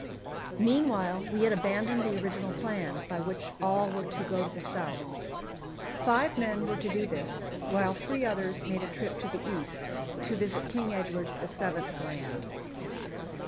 Meanwhile we had abandoned the original plan, by which all were to go to the south. Five men were to do this, while three others made a trip to the east, to visit King Edward VII. Land.